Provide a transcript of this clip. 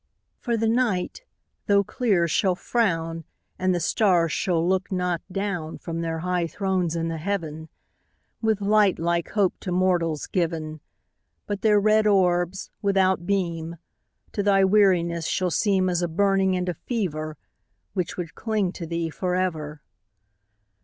The night tho' clear shall frown And the stars shall not look down From their high thrones in the Heaven, With light like Hope to mortals given But their red orbs, without beam, To thy weariness shall seem As a burning and a fever Which would cling to thee forever.